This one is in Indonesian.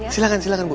silahkan silahkan bu